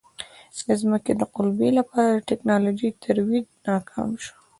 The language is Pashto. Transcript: د ځمکې د قُلبې لپاره د ټکنالوژۍ ترویج ناکام شو.